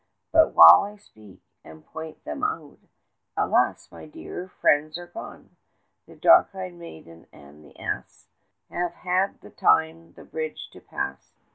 But while I speak, and point them on; Alas, my dearer friends are gone, The dark eyed maiden and the ass 55 Have had the time the bridge to pass.